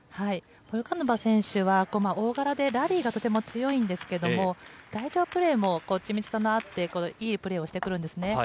ポルカノバ選手は大柄でラリーがとても強いんですが台上プレーも緻密さがあっていいプレーをしてくるんですね。